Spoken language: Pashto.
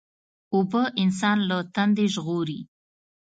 اوبه انسان له تندې ژغوري.